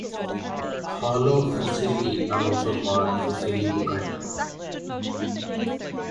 Hollow "fusilli" are also called "fusilli bucati".